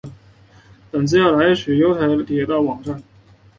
本资料来源取自悠游台湾铁道网站。